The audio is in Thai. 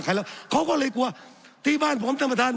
ใครแล้วเขาก็เลยกลัวที่บ้านผมท่านประธาน